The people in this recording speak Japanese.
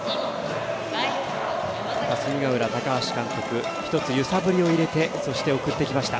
霞ヶ浦、高橋監督一つ揺さぶりを入れてそして、送ってきました。